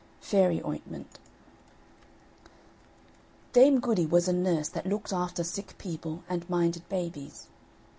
FAIRY OINTMENT Dame Goody was a nurse that looked after sick people, and minded babies.